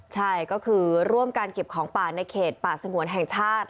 ใช่ก็คือร่วมการเก็บของป่าในเขตป่าสงวนแห่งชาติ